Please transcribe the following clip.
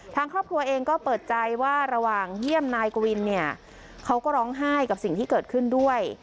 ทางครอบครัวเองก็เปิดใจว่าระหว่างเยี่ยมนายกวินเนี่ยเขาก็ร้องไห้กับสิ่งที่เกิดขึ้นด้วย